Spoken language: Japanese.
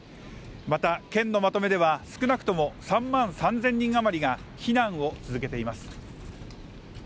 また県のまとめでは少なくとも３万３０００人余りが避難を続けています